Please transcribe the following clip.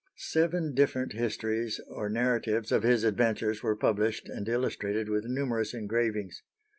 Seven different histories or narratives of his adventures were published and illustrated with numerous engravings.